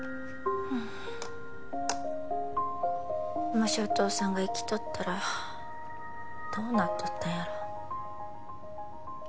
もしお父さんが生きとったらどうなっとったんやろ？